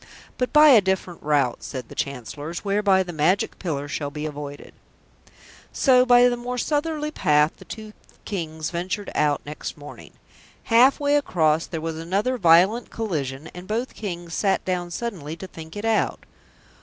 "But by a different route," said the Chancellors, "whereby the Magic Pillar shall be avoided." So by the more southerly path the two Kings ventured out next morning. Half way across there was another violent collision, and both Kings sat down suddenly to think it out.